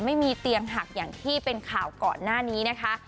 ไม่มีเตียงหักอย่างที่เป็นข่าวก่อนหน้านี้นะคะ